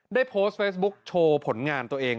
ได้โพสต์เฟซบุ๊คโชว์ผลงานตัวเอง